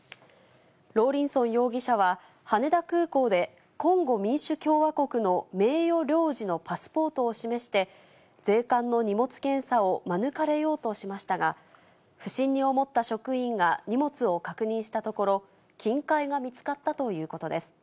ローリンソン容疑者は、羽田空港でコンゴ民主共和国の名誉領事のパスポートを示して、税関の荷物検査を免れようとしましたが、不審に思った職員が荷物を確認したところ、金塊が見つかったということです。